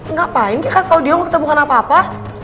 ngapain ki kasih tau dia kita bukan apa apa